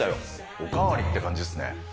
お代わりって感じですね。